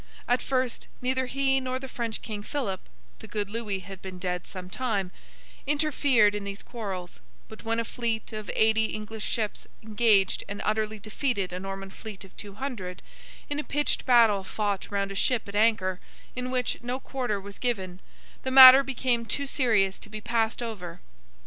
At first, neither he nor the French King Philip (the good Louis had been dead some time) interfered in these quarrels; but when a fleet of eighty English ships engaged and utterly defeated a Norman fleet of two hundred, in a pitched battle fought round a ship at anchor, in which no quarter was given, the matter became too serious to be passed over.